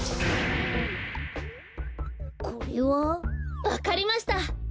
これは？わかりました。